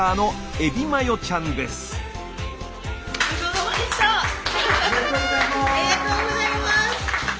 ありがとうございます。